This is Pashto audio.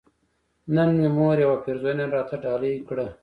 نن مې مور يوه پيرزوينه راته ډالۍ کړه